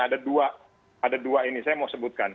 ada dua ada dua ini saya mau sebutkan